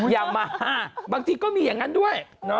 อย่ามาบางทีก็มีอย่างนั้นด้วย